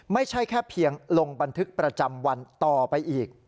ไม่ใช่แค่เพียงลงบันทึกประจำวันต่อไปอีก